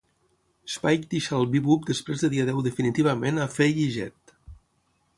Spike deixa el "Bebop" després de dir adéu definitivament a Faye i Jet.